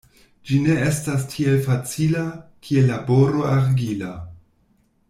Ĝi ne estas tiel facila, kiel laboro argila.